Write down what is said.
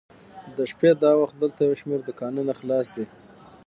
د شپې دا وخت دلته یو شمېر دوکانونه خلاص دي.